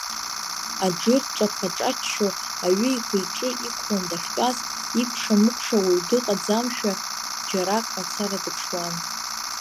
Аџыр, дҿаԥха-ҿаччо, аҩы ихы-иҿы иқәлан дахьтәаз, икәша-мыкәша уаҩ дыҟаӡамшәа, џьарак мацара дыԥшуан.